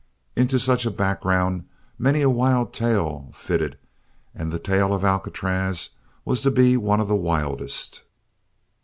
Into such a background many a wild tale fitted and the tale of Alcatraz was to be one of the wildest.